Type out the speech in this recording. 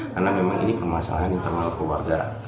karena memang ini permasalahan internal keluarga